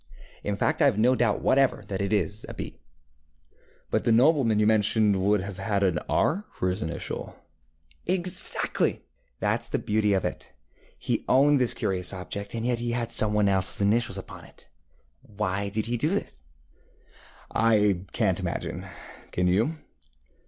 In fact, I have no doubt whatever that it is a B.ŌĆØ ŌĆ£But the nobleman you mentioned would have had R for his initial. ŌĆØ ŌĆ£Exactly! ThatŌĆÖs the beauty of it. He owned this curious object, and yet he had some one elseŌĆÖs initials upon it. Why did he do this? ŌĆØ ŌĆ£I canŌĆÖt imagine; can you?